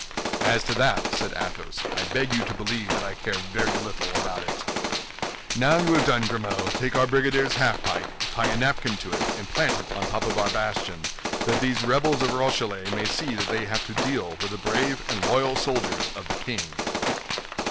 "As to that," said Athos, "I beg you to believe that I care very little about it. Now you have done, Grimaud, take our brigadier's half pike, tie a napkin to it, and plant it on top of our bastion, that these rebels of Rochellais may see that they have to deal with brave and loyal soldiers of the king."